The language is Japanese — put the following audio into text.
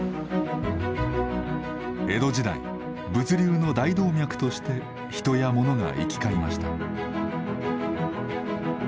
江戸時代物流の大動脈として人や物が行き交いました。